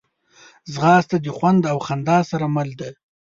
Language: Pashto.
ځغاسته د خوند او خندا سره مل ده